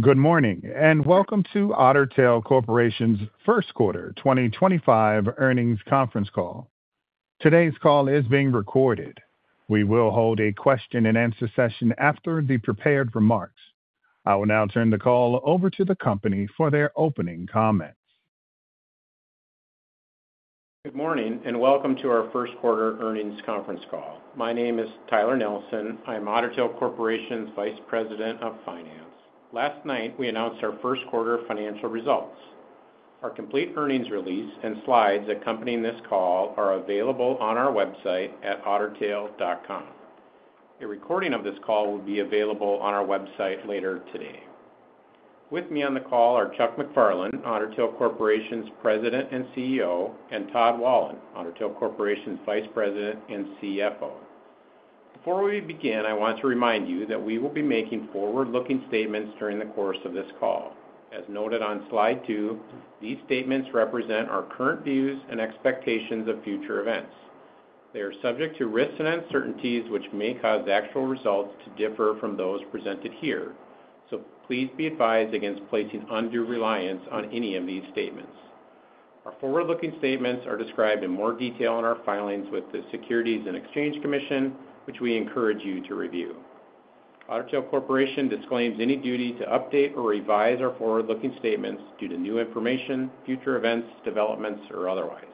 Good morning, and welcome to Otter Tail Corporation's first quarter 2025 earnings conference call. Today's call is being recorded. We will hold a question-and-answer session after the prepared remarks. I will now turn the call over to the company for their opening comments. Good morning, and welcome to our first quarter earnings conference call. My name is Tyler Nelson. I'm Otter Tail Corporation's Vice President of Finance. Last night, we announced our first quarter financial results. Our complete earnings release and slides accompanying this call are available on our website at ottertail.com. A recording of this call will be available on our website later today. With me on the call are Chuck MacFarlane, Otter Tail Corporation's President and CEO, and Todd Wahlund, Otter Tail Corporation's Vice President and CFO. Before we begin, I want to remind you that we will be making forward-looking statements during the course of this call. As noted on slide two, these statements represent our current views and expectations of future events. They are subject to risks and uncertainties, which may cause actual results to differ from those presented here. Please be advised against placing undue reliance on any of these statements. Our forward-looking statements are described in more detail in our filings with the Securities and Exchange Commission, which we encourage you to review. Otter Tail Corporation disclaims any duty to update or revise our forward-looking statements due to new information, future events, developments, or otherwise.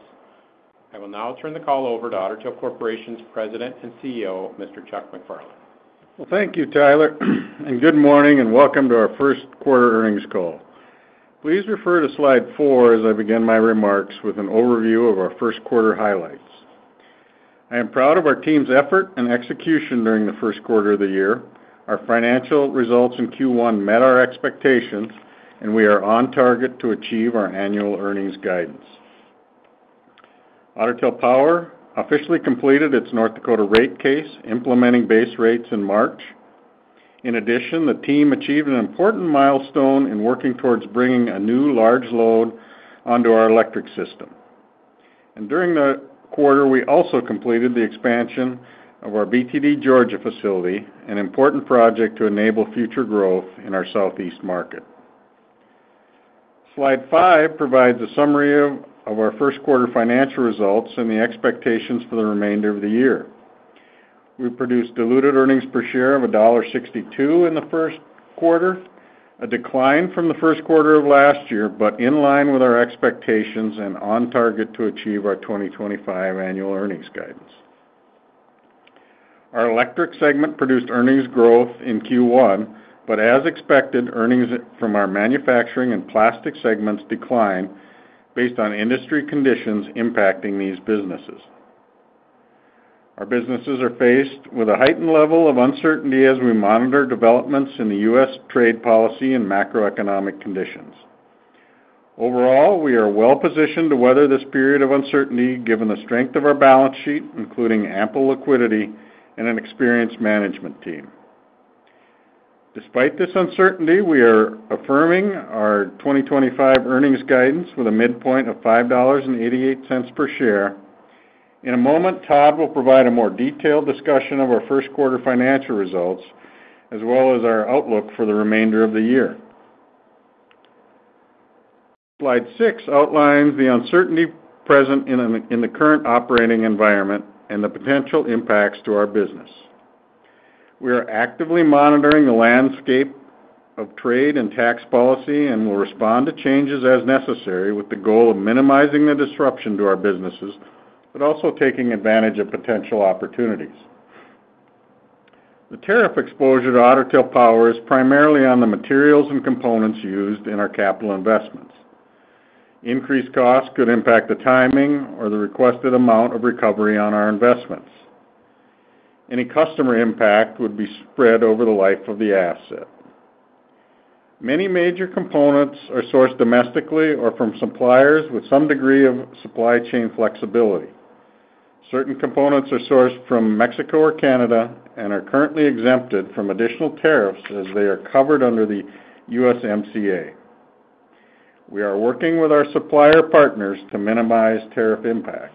I will now turn the call over to Otter Tail Corporation's President and CEO, Mr. Chuck MacFarlane. Thank you, Tyler. Good morning, and welcome to our First Quarter earnings call. Please refer to slide four as I begin my remarks with an overview of our first quarter highlights. I am proud of our team's effort and execution during the first quarter of the year. Our financial results in Q1 met our expectations, and we are on target to achieve our annual earnings guidance. Otter Tail Power officially completed its North Dakota rate case, implementing base rates in March. In addition, the team achieved an important milestone in working towards bringing a new large load onto our electric system. During the quarter, we also completed the expansion of our BTD Georgia facility, an important project to enable future growth in our Southeast market. Slide five provides a summary of our first quarter financial results and the expectations for the remainder of the year. We produced diluted earnings per share of $1.62 in the first quarter, a decline from the first quarter of last year, but in line with our expectations and on target to achieve our 2025 annual earnings guidance. Our electric segment produced earnings growth in Q1, but as expected, earnings from our manufacturing and plastic segments declined based on industry conditions impacting these businesses. Our businesses are faced with a heightened level of uncertainty as we monitor developments in the U.S. trade policy and macroeconomic conditions. Overall, we are well positioned to weather this period of uncertainty given the strength of our balance sheet, including ample liquidity and an experienced management team. Despite this uncertainty, we are affirming our 2025 earnings guidance with a midpoint of $5.88 per share. In a moment, Todd will provide a more detailed discussion of our first quarter financial results, as well as our outlook for the remainder of the year. Slide six outlines the uncertainty present in the current operating environment and the potential impacts to our business. We are actively monitoring the landscape of trade and tax policy and will respond to changes as necessary with the goal of minimizing the disruption to our businesses, but also taking advantage of potential opportunities. The tariff exposure to Otter Tail Power is primarily on the materials and components used in our capital investments. Increased costs could impact the timing or the requested amount of recovery on our investments. Any customer impact would be spread over the life of the asset. Many major components are sourced domestically or from suppliers with some degree of supply chain flexibility. Certain components are sourced from Mexico or Canada and are currently exempted from additional tariffs as they are covered under the USMCA. We are working with our supplier partners to minimize tariff impacts.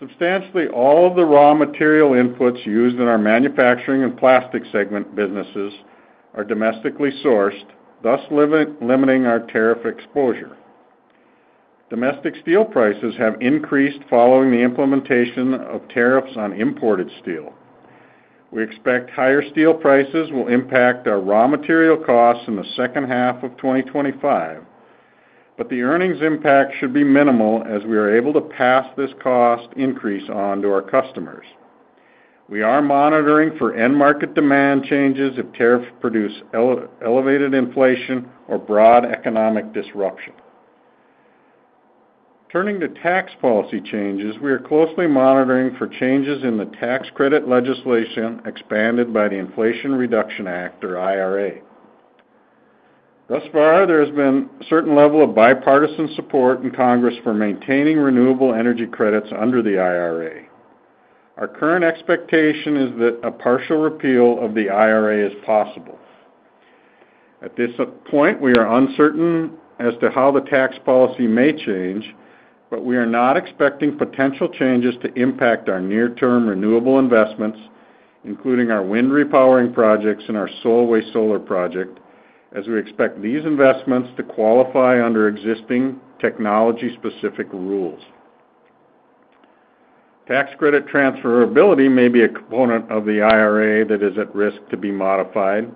Substantially all of the raw material inputs used in our manufacturing and plastic segment businesses are domestically sourced, thus limiting our tariff exposure. Domestic steel prices have increased following the implementation of tariffs on imported steel. We expect higher steel prices will impact our raw material costs in the second half of 2025, but the earnings impact should be minimal as we are able to pass this cost increase on to our customers. We are monitoring for end market demand changes if tariffs produce elevated inflation or broad economic disruption. Turning to tax policy changes, we are closely monitoring for changes in the tax credit legislation expanded by the Inflation Reduction Act, or IRA. Thus far, there has been a certain level of bipartisan support in Congress for maintaining renewable energy credits under the IRA. Our current expectation is that a partial repeal of the IRA is possible. At this point, we are uncertain as to how the tax policy may change, but we are not expecting potential changes to impact our near-term renewable investments, including our wind repowering projects and our Solway solar project, as we expect these investments to qualify under existing technology-specific rules. Tax credit transferability may be a component of the IRA that is at risk to be modified.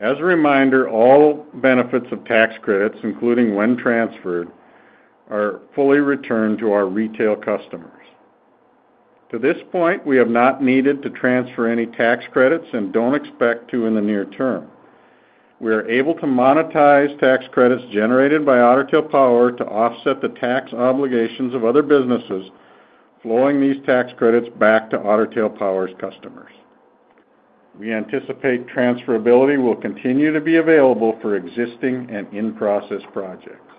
As a reminder, all benefits of tax credits, including when transferred, are fully returned to our retail customers. To this point, we have not needed to transfer any tax credits and don't expect to in the near term. We are able to monetize tax credits generated by Otter Tail Power to offset the tax obligations of other businesses, flowing these tax credits back to Otter Tail Power's customers. We anticipate transferability will continue to be available for existing and in-process projects.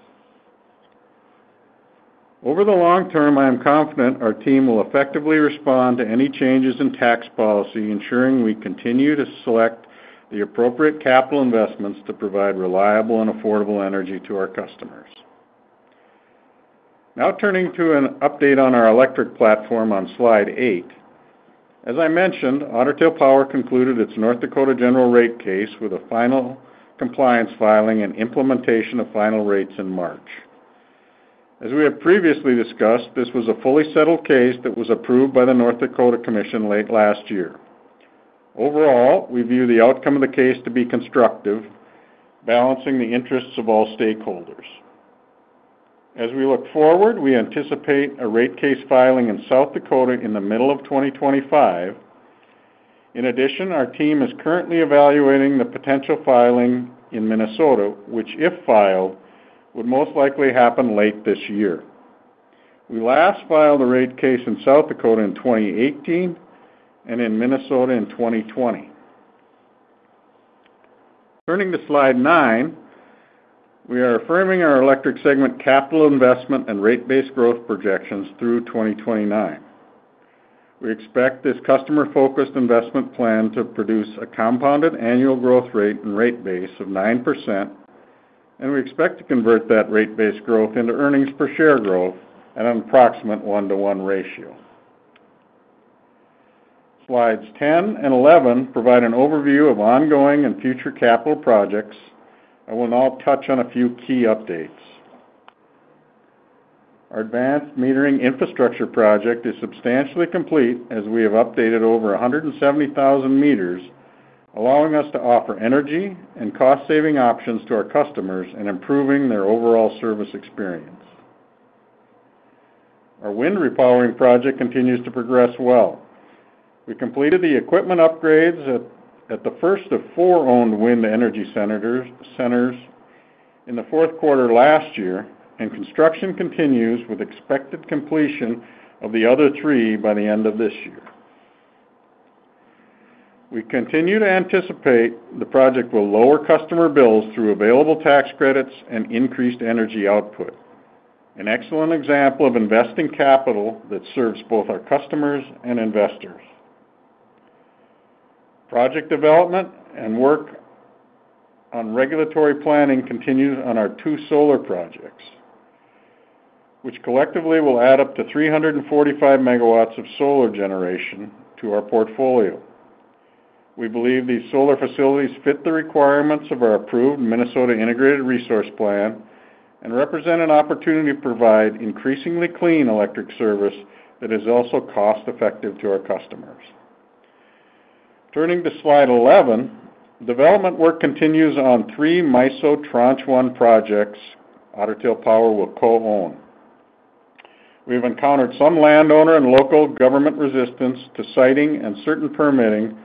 Over the long term, I am confident our team will effectively respond to any changes in tax policy, ensuring we continue to select the appropriate capital investments to provide reliable and affordable energy to our customers. Now turning to an update on our electric platform on slide eight, as I mentioned, Otter Tail Power concluded its North Dakota general rate case with a final compliance filing and implementation of final rates in March. As we have previously discussed, this was a fully settled case that was approved by the North Dakota Commission late last year. Overall, we view the outcome of the case to be constructive, balancing the interests of all stakeholders. As we look forward, we anticipate a rate case filing in South Dakota in the middle of 2025. In addition, our team is currently evaluating the potential filing in Minnesota, which, if filed, would most likely happen late this year. We last filed a rate case in South Dakota in 2018 and in Minnesota in 2020. Turning to slide nine, we are affirming our electric segment capital investment and rate-based growth projections through 2029. We expect this customer-focused investment plan to produce a compounded annual growth rate and rate base of 9%, and we expect to convert that rate-based growth into earnings per share growth at an approximate one-to-one ratio. Slides 10 and 11 provide an overview of ongoing and future capital projects. I will now touch on a few key updates. Our advanced metering infrastructure project is substantially complete as we have updated over 170,000 m, allowing us to offer energy and cost-saving options to our customers and improving their overall service experience. Our wind repowering project continues to progress well. We completed the equipment upgrades at the first of four owned wind energy centers in the fourth quarter last year, and construction continues with expected completion of the other three by the end of this year. We continue to anticipate the project will lower customer bills through available tax credits and increased energy output, an excellent example of investing capital that serves both our customers and investors. Project development and work on regulatory planning continues on our two solar projects, which collectively will add up to 345 MW of solar generation to our portfolio. We believe these solar facilities fit the requirements of our approved Minnesota Integrated Resource Plan and represent an opportunity to provide increasingly clean electric service that is also cost-effective to our customers. Turning to slide 11, development work continues on three MISO tranche one projects Otter Tail Power will co-own. We have encountered some landowner and local government resistance to siting and certain permitting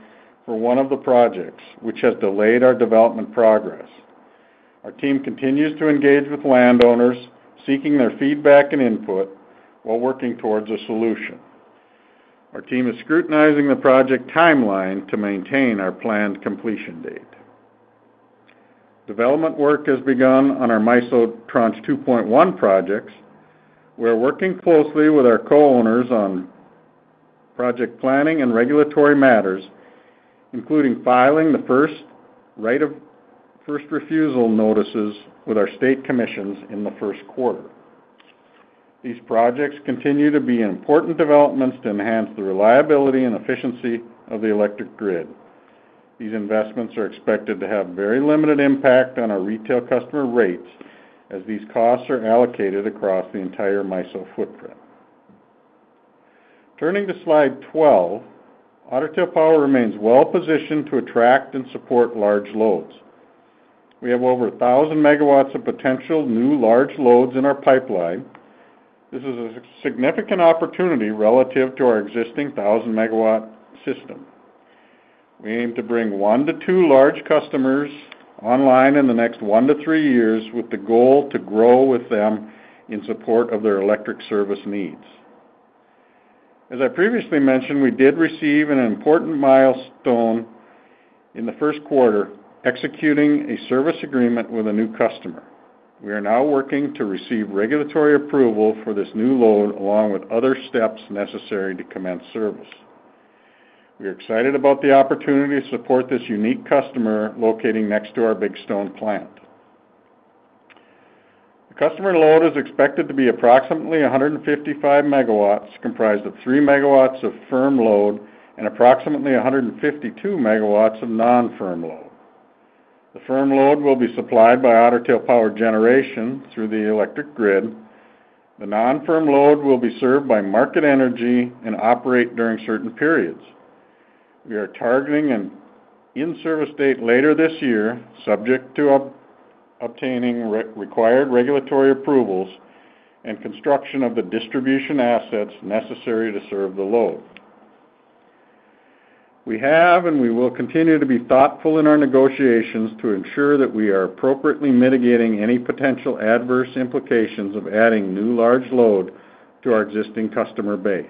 for one of the projects, which has delayed our development progress. Our team continues to engage with landowners, seeking their feedback and input while working towards a solution. Our team is scrutinizing the project timeline to maintain our planned completion date. Development work has begun on our MISO tranche 2.1 projects. We are working closely with our co-owners on project planning and regulatory matters, including filing the first right of first refusal notices with our state commissions in the first quarter. These projects continue to be important developments to enhance the reliability and efficiency of the electric grid. These investments are expected to have very limited impact on our retail customer rates as these costs are allocated across the entire MISO footprint. Turning to slide 12, Otter Tail Power remains well positioned to attract and support large loads. We have over 1,000 MW of potential new large loads in our pipeline. This is a significant opportunity relative to our existing 1,000 MW system. We aim to bring one to two large customers online in the next one to three years with the goal to grow with them in support of their electric service needs. As I previously mentioned, we did receive an important milestone in the first quarter, executing a service agreement with a new customer. We are now working to receive regulatory approval for this new load along with other steps necessary to commence service. We are excited about the opportunity to support this unique customer located next to our Big Stone plant. The customer load is expected to be approximately 155 MW, comprised of 3 MW of firm load and approximately 152 MW of non-firm load. The firm load will be supplied by Otter Tail Power Generation through the electric grid. The non-firm load will be served by market energy and operate during certain periods. We are targeting an in-service date later this year, subject to obtaining required regulatory approvals and construction of the distribution assets necessary to serve the load. We have and we will continue to be thoughtful in our negotiations to ensure that we are appropriately mitigating any potential adverse implications of adding new large load to our existing customer base.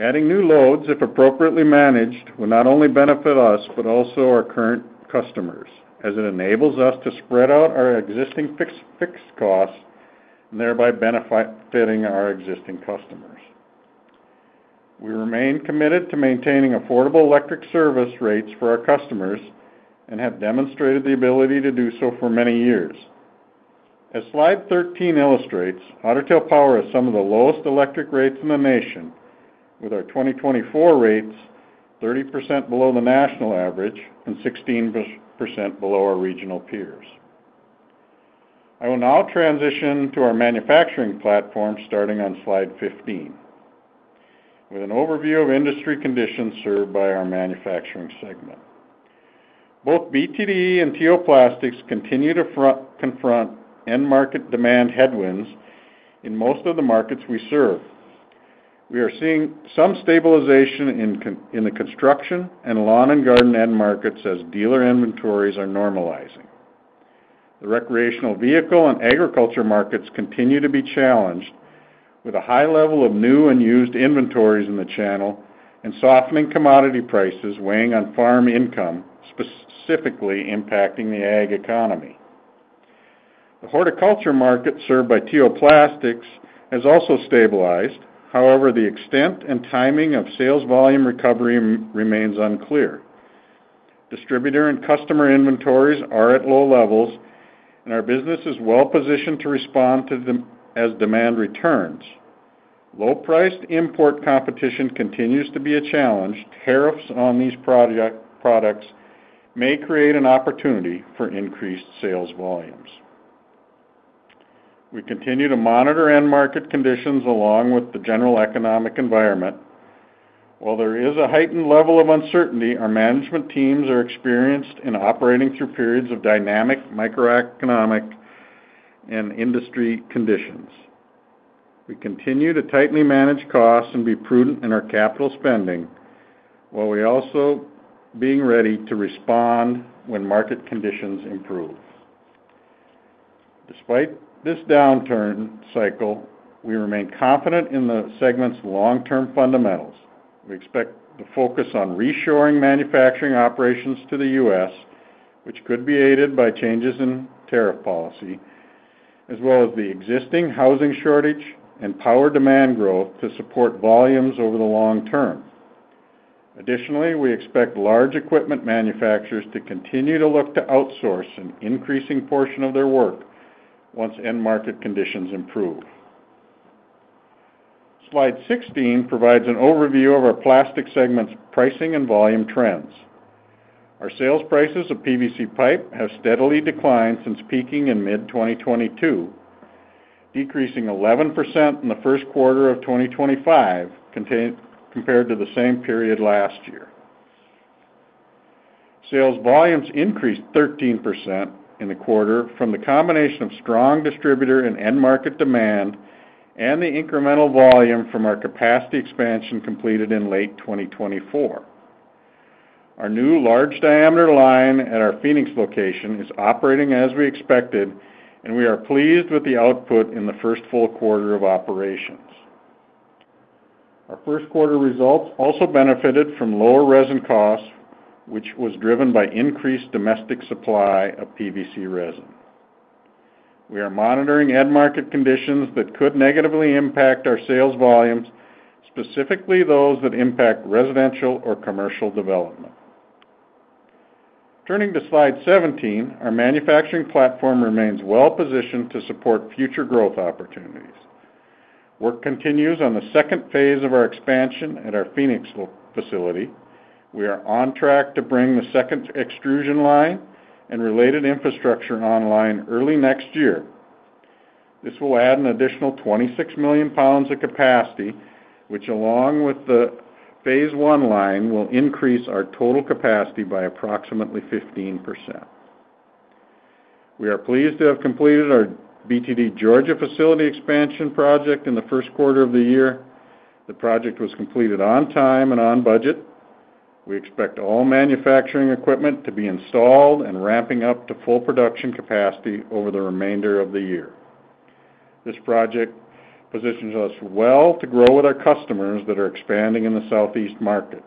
Adding new loads, if appropriately managed, will not only benefit us but also our current customers as it enables us to spread out our existing fixed costs and thereby benefiting our existing customers. We remain committed to maintaining affordable electric service rates for our customers and have demonstrated the ability to do so for many years. As slide 13 illustrates, Otter Tail Power has some of the lowest electric rates in the nation, with our 2024 rates 30% below the national average and 16% below our regional peers. I will now transition to our manufacturing platform starting on slide 15, with an overview of industry conditions served by our manufacturing segment. Both BTD and T.O. Plastics continue to confront end market demand headwinds in most of the markets we serve. We are seeing some stabilization in the construction and lawn and garden end markets as dealer inventories are normalizing. The recreational vehicle and agriculture markets continue to be challenged with a high level of new and used inventories in the channel and softening commodity prices weighing on farm income, specifically impacting the ag economy. The horticulture market served by T.O. Plastics has also stabilized. However, the extent and timing of sales volume recovery remains unclear. Distributor and customer inventories are at low levels, and our business is well positioned to respond to them as demand returns. Low-priced import competition continues to be a challenge. Tariffs on these products may create an opportunity for increased sales volumes. We continue to monitor end market conditions along with the general economic environment. While there is a heightened level of uncertainty, our management teams are experienced in operating through periods of dynamic microeconomic and industry conditions. We continue to tightly manage costs and be prudent in our capital spending while we also are being ready to respond when market conditions improve. Despite this downturn cycle, we remain confident in the segment's long-term fundamentals. We expect to focus on reshoring manufacturing operations to the U.S., which could be aided by changes in tariff policy, as well as the existing housing shortage and power demand growth to support volumes over the long term. Additionally, we expect large equipment manufacturers to continue to look to outsource an increasing portion of their work once end market conditions improve. Slide 16 provides an overview of our plastics segment's pricing and volume trends. Our sales prices of PVC pipe have steadily declined since peaking in mid-2022, decreasing 11% in the first quarter of 2025 compared to the same period last year. Sales volumes increased 13% in the quarter from the combination of strong distributor and end market demand and the incremental volume from our capacity expansion completed in late 2024. Our new large diameter line at our Phoenix location is operating as we expected, and we are pleased with the output in the first full quarter of operations. Our first quarter results also benefited from lower resin costs, which was driven by increased domestic supply of PVC resin. We are monitoring end market conditions that could negatively impact our sales volumes, specifically those that impact residential or commercial development. Turning to slide 17, our manufacturing platform remains well positioned to support future growth opportunities. Work continues on the second phase of our expansion at our Phoenix facility. We are on track to bring the second extrusion line and related infrastructure online early next year. This will add an additional 26 million pounds of capacity, which, along with the phase one line, will increase our total capacity by approximately 15%. We are pleased to have completed our BTD Georgia facility expansion project in the first quarter of the year. The project was completed on time and on budget. We expect all manufacturing equipment to be installed and ramping up to full production capacity over the remainder of the year. This project positions us well to grow with our customers that are expanding in the Southeast market.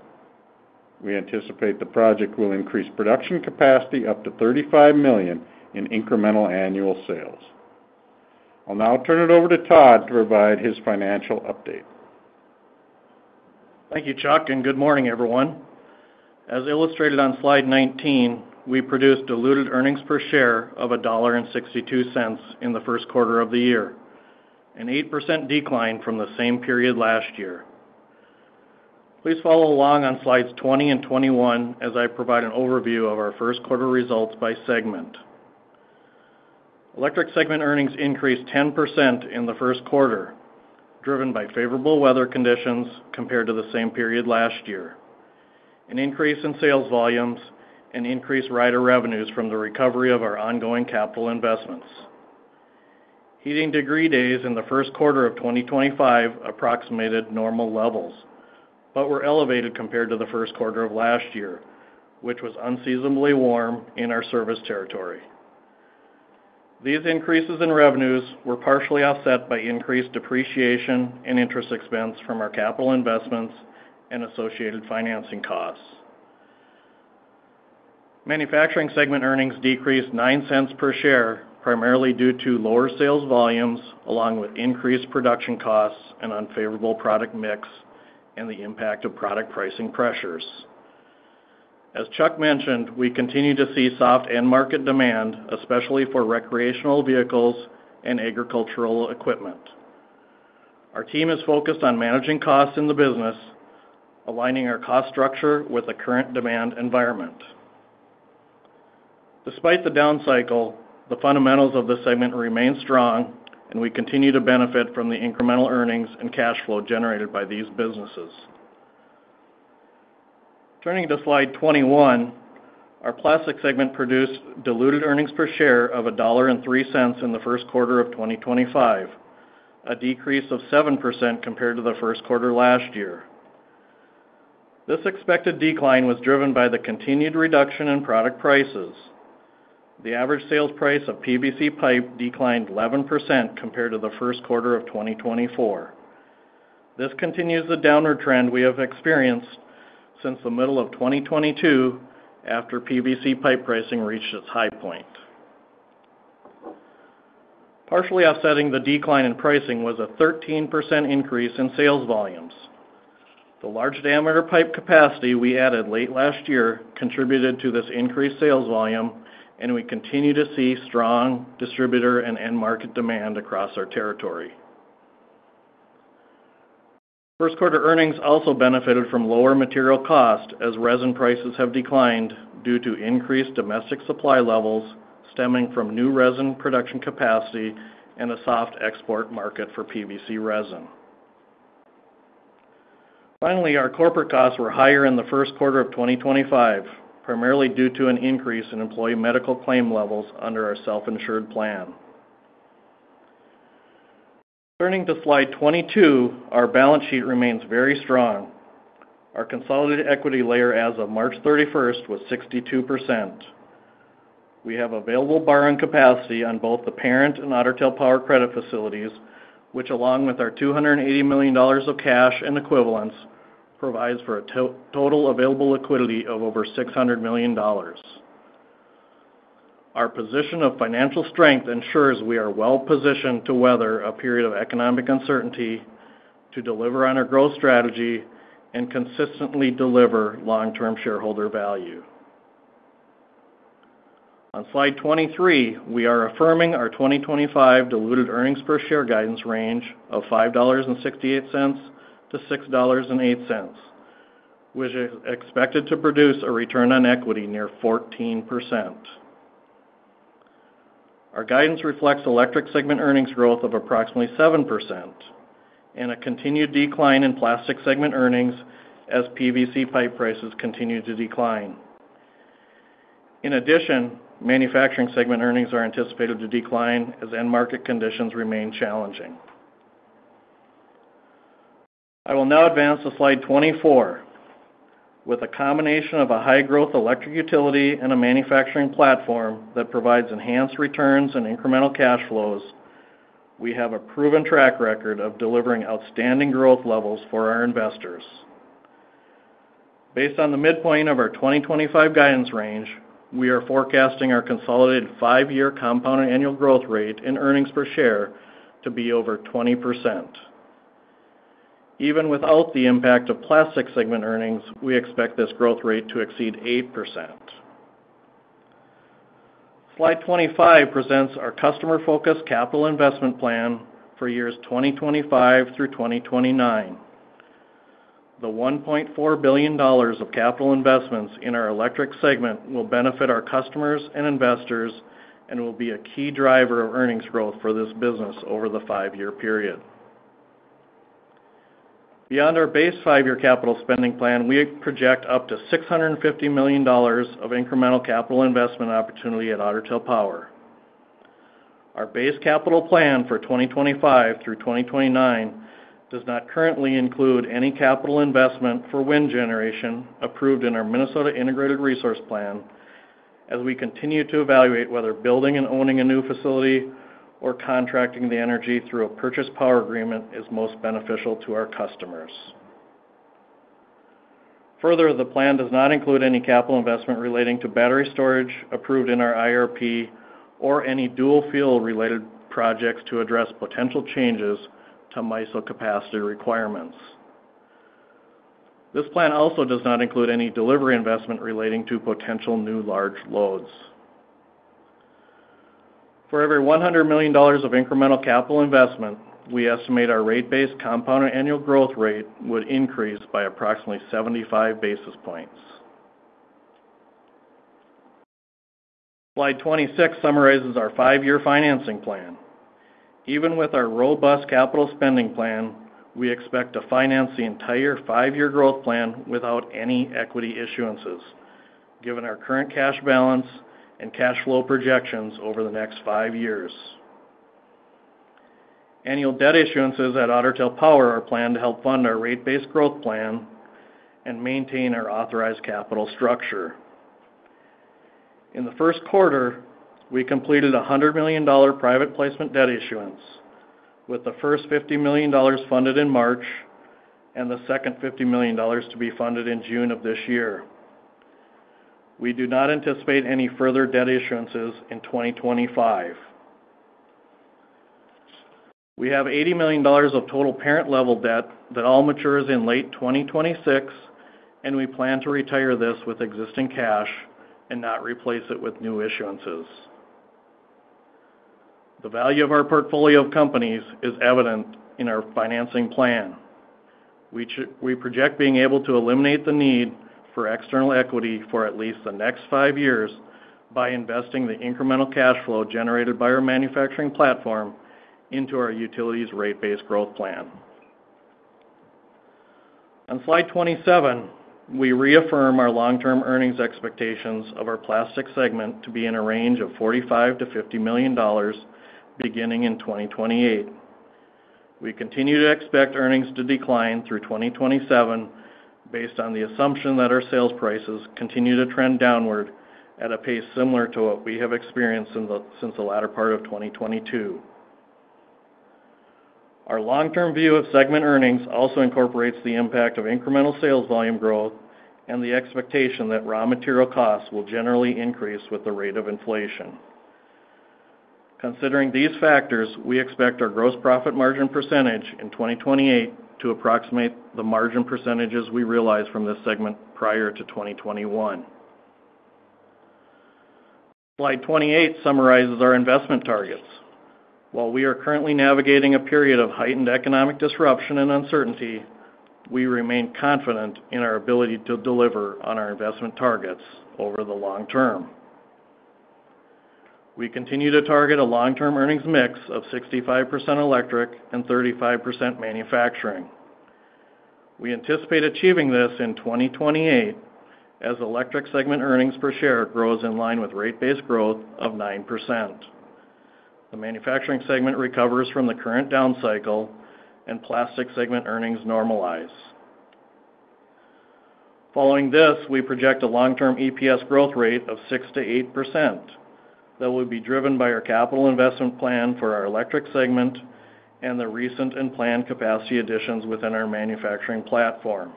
We anticipate the project will increase production capacity up to $35 million in incremental annual sales. I'll now turn it over to Todd to provide his financial update. Thank you, Chuck, and good morning, everyone. As illustrated on slide 19, we produced diluted earnings per share of $1.62 in the first quarter of the year, an 8% decline from the same period last year. Please follow along on slides 20 and 21 as I provide an overview of our first quarter results by segment. Electric segment earnings increased 10% in the first quarter, driven by favorable weather conditions compared to the same period last year, an increase in sales volumes, and increased rider revenues from the recovery of our ongoing capital investments. Heating degree days in the first quarter of 2025 approximated normal levels, but were elevated compared to the first quarter of last year, which was unseasonably warm in our service territory. These increases in revenues were partially offset by increased depreciation and interest expense from our capital investments and associated financing costs. Manufacturing segment earnings decreased $0.09 per share, primarily due to lower sales volumes, along with increased production costs and unfavorable product mix and the impact of product pricing pressures. As Chuck mentioned, we continue to see soft end market demand, especially for recreational vehicles and agricultural equipment. Our team is focused on managing costs in the business, aligning our cost structure with the current demand environment. Despite the down cycle, the fundamentals of the segment remain strong, and we continue to benefit from the incremental earnings and cash flow generated by these businesses. Turning to slide 21, our plastics segment produced diluted earnings per share of $1.03 in the first quarter of 2025, a decrease of 7% compared to the first quarter last year. This expected decline was driven by the continued reduction in product prices. The average sales price of PVC pipe declined 11% compared to the first quarter of 2024. This continues the downward trend we have experienced since the middle of 2022 after PVC pipe pricing reached its high point. Partially offsetting the decline in pricing was a 13% increase in sales volumes. The large diameter pipe capacity we added late last year contributed to this increased sales volume, and we continue to see strong distributor and end market demand across our territory. First quarter earnings also benefited from lower material costs as resin prices have declined due to increased domestic supply levels stemming from new resin production capacity and a soft export market for PVC resin. Finally, our corporate costs were higher in the first quarter of 2025, primarily due to an increase in employee medical claim levels under our self-insured plan. Turning to slide 22, our balance sheet remains very strong. Our consolidated equity layer as of March 31 was 62%. We have available borrowing capacity on both the parent and Otter Tail Power credit facilities, which, along with our $280 million of cash and equivalents, provides for a total available liquidity of over $600 million. Our position of financial strength ensures we are well positioned to weather a period of economic uncertainty, to deliver on our growth strategy, and consistently deliver long-term shareholder value. On slide 23, we are affirming our 2025 diluted earnings per share guidance range of $5.68-$6.08, which is expected to produce a return on equity near 14%. Our guidance reflects electric segment earnings growth of approximately 7% and a continued decline in plastic segment earnings as PVC pipe prices continue to decline. In addition, manufacturing segment earnings are anticipated to decline as end market conditions remain challenging. I will now advance to slide 24. With a combination of a high-growth electric utility and a manufacturing platform that provides enhanced returns and incremental cash flows, we have a proven track record of delivering outstanding growth levels for our investors. Based on the midpoint of our 2025 guidance range, we are forecasting our consolidated five-year compounded annual growth rate in earnings per share to be over 20%. Even without the impact of plastic segment earnings, we expect this growth rate to exceed 8%. Slide 25 presents our customer-focused capital investment plan for years 2025 through 2029. The $1.4 billion of capital investments in our electric segment will benefit our customers and investors and will be a key driver of earnings growth for this business over the five-year period. Beyond our base five-year capital spending plan, we project up to $650 million of incremental capital investment opportunity at Otter Tail Power. Our base capital plan for 2025 through 2029 does not currently include any capital investment for wind generation approved in our Minnesota Integrated Resource Plan, as we continue to evaluate whether building and owning a new facility or contracting the energy through a purchase power agreement is most beneficial to our customers. Further, the plan does not include any capital investment relating to battery storage approved in our IRP or any dual fuel-related projects to address potential changes to MISO capacity requirements. This plan also does not include any delivery investment relating to potential new large loads. For every $100 million of incremental capital investment, we estimate our rate-based compounded annual growth rate would increase by approximately 75 basis points. Slide 26 summarizes our five-year financing plan. Even with our robust capital spending plan, we expect to finance the entire five-year growth plan without any equity issuances, given our current cash balance and cash flow projections over the next five years. Annual debt issuances at Otter Tail Power are planned to help fund our rate-based growth plan and maintain our authorized capital structure. In the first quarter, we completed a $100 million private placement debt issuance, with the first $50 million funded in March and the second $50 million to be funded in June of this year. We do not anticipate any further debt issuances in 2025. We have $80 million of total parent-level debt that all matures in late 2026, and we plan to retire this with existing cash and not replace it with new issuances. The value of our portfolio of companies is evident in our financing plan. We project being able to eliminate the need for external equity for at least the next five years by investing the incremental cash flow generated by our manufacturing platform into our utilities rate-based growth plan. On slide 27, we reaffirm our long-term earnings expectations of our plastics segment to be in a range of $45 million-$50 million beginning in 2028. We continue to expect earnings to decline through 2027 based on the assumption that our sales prices continue to trend downward at a pace similar to what we have experienced since the latter part of 2022. Our long-term view of segment earnings also incorporates the impact of incremental sales volume growth and the expectation that raw material costs will generally increase with the rate of inflation. Considering these factors, we expect our gross profit margin percentage in 2028 to approximate the margin percentages we realized from this segment prior to 2021. Slide 28 summarizes our investment targets. While we are currently navigating a period of heightened economic disruption and uncertainty, we remain confident in our ability to deliver on our investment targets over the long term. We continue to target a long-term earnings mix of 65% electric and 35% manufacturing. We anticipate achieving this in 2028 as electric segment earnings per share grows in line with rate-based growth of 9%. The manufacturing segment recovers from the current down cycle, and plastic segment earnings normalize. Following this, we project a long-term EPS growth rate of 6%-8% that will be driven by our capital investment plan for our electric segment and the recent and planned capacity additions within our manufacturing platform.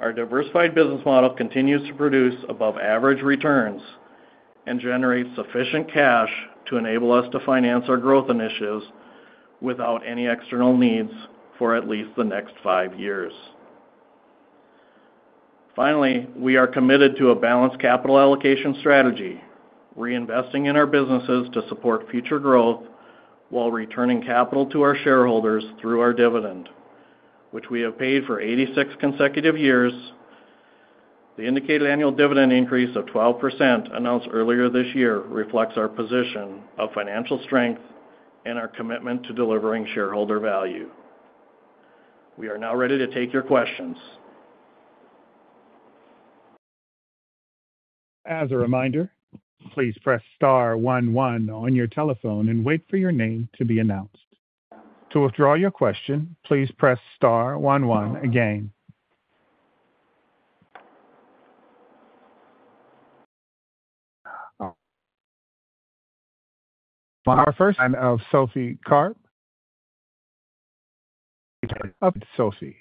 Our diversified business model continues to produce above-average returns and generate sufficient cash to enable us to finance our growth initiatives without any external needs for at least the next five years. Finally, we are committed to a balanced capital allocation strategy, reinvesting in our businesses to support future growth while returning capital to our shareholders through our dividend, which we have paid for 86 consecutive years. The indicated annual dividend increase of 12% announced earlier this year reflects our position of financial strength and our commitment to delivering shareholder value. We are now ready to take your questions. As a reminder, please press star one one on your telephone and wait for your name to be announced. To withdraw your question, please press star one one again. Our first line of Sophie Carp, please join us. Sophie.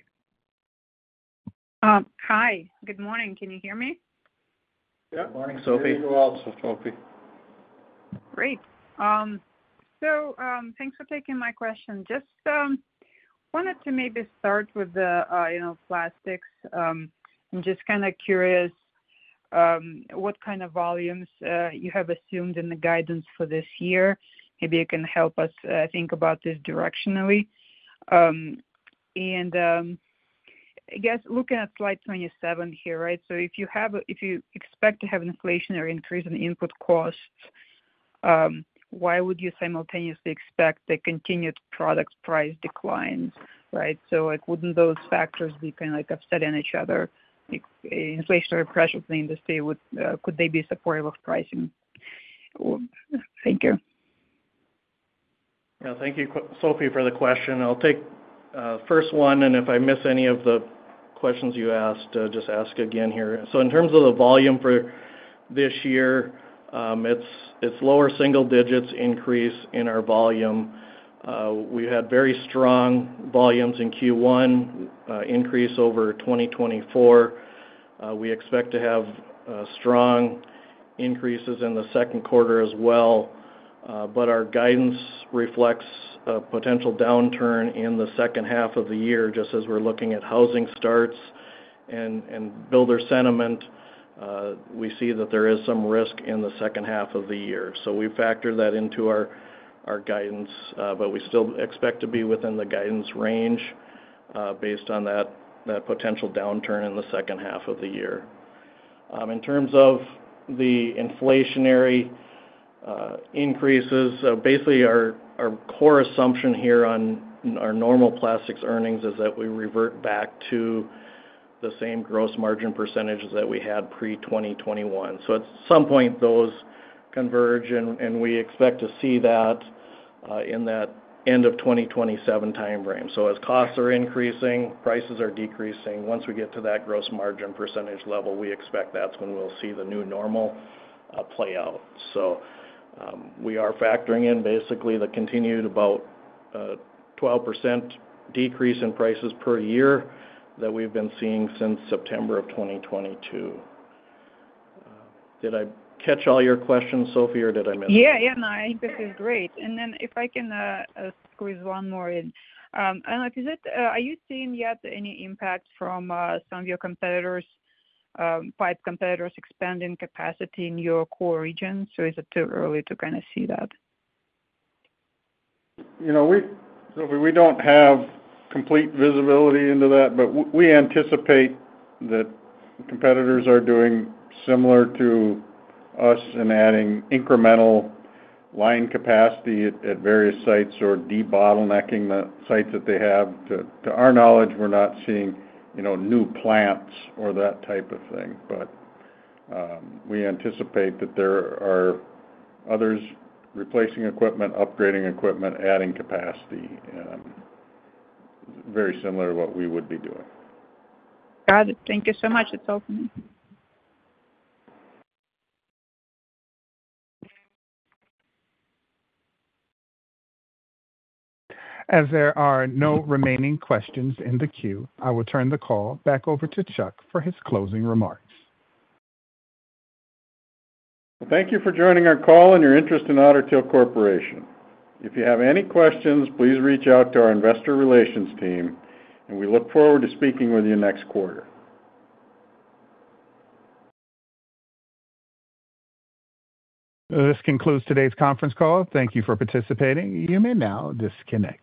Hi. Good morning. Can you hear me? Yeah. Morning, Sophie. How are you all, Sophie? Great. Thanks for taking my question. Just wanted to maybe start with the plastics. I'm just kind of curious what kind of volumes you have assumed in the guidance for this year. Maybe you can help us think about this directionally. I guess looking at slide 27 here, right? If you expect to have an inflationary increase in input costs, why would you simultaneously expect the continued product price declines, right? Wouldn't those factors be kind of like upsetting each other? Inflationary pressures in the industry, could they be supportive of pricing? Thank you. Yeah. Thank you, Sophie, for the question. I'll take the first one, and if I miss any of the questions you asked, just ask again here. In terms of the volume for this year, it's lower single-digit increase in our volume. We had very strong volumes in Q1, increase over 2024. We expect to have strong increases in the second quarter as well. Our guidance reflects a potential downturn in the second half of the year. Just as we are looking at housing starts and builder sentiment, we see that there is some risk in the second half of the year. We factor that into our guidance, but we still expect to be within the guidance range based on that potential downturn in the second half of the year. In terms of the inflationary increases, basically our core assumption here on our normal plastics earnings is that we revert back to the same gross margin percentages that we had pre-2021. At some point, those converge, and we expect to see that in that end of 2027 timeframe. As costs are increasing, prices are decreasing. Once we get to that gross margin percentage level, we expect that's when we'll see the new normal play out. We are factoring in basically the continued about 12% decrease in prices per year that we've been seeing since September of 2022. Did I catch all your questions, Sophie, or did I miss any? Yeah. Yeah. No. I think this is great. If I can squeeze one more in. I'm like, is it are you seeing yet any impact from some of your competitors, pipe competitors expanding capacity in your core region? Is it too early to kind of see that? Sophie, we don't have complete visibility into that, but we anticipate that competitors are doing similar to us in adding incremental line capacity at various sites or debottlenecking the sites that they have. To our knowledge, we're not seeing new plants or that type of thing. We anticipate that there are others replacing equipment, upgrading equipment, adding capacity, very similar to what we would be doing. Got it. Thank you so much. It's all for me. As there are no remaining questions in the queue, I will turn the call back over to Chuck for his closing remarks. Thank you for joining our call and your interest in Otter Tail Corporation. If you have any questions, please reach out to our investor relations team, and we look forward to speaking with you next quarter. This concludes today's conference call. Thank you for participating. You may now disconnect.